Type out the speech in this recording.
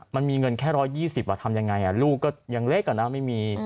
มันมีเงินแค่ร้อยยี่สิบอ่ะทำยังไงอ่ะลูกก็ยังเล็กอ่ะนะ